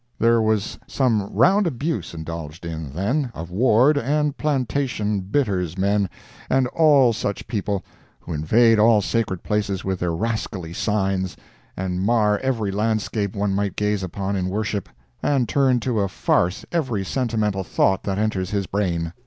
There was some round abuse indulged in, then, of Ward and plantation bitters men, and all such people, who invade all sacred places with their rascally signs, and mar every landscape one might gaze upon in worship, and turn to a farce every sentimental thought that enters his brain.